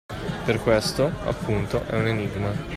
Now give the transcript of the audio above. Per questo, appunto, è un enigma!